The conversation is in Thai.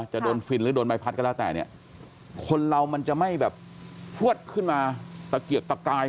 จะโดนฟินหรือโดนใบพัดก็แล้วแต่เนี่ยคนเรามันจะไม่แบบพลวดขึ้นมาตะเกียบตะกาย